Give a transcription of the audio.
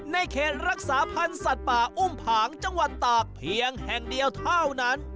เขตรักษาพันธ์สัตว์ป่าอุ้มผางจังหวัดตากเพียงแห่งเดียวเท่านั้น